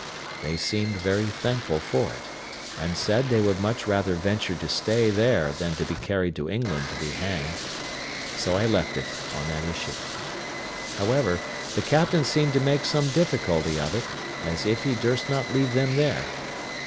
They seemed very thankful for it, and said they would much rather venture to stay there than be carried to England to be hanged. So I left it on that issue. However, the captain seemed to make some difficulty of it, as if he durst not leave them there.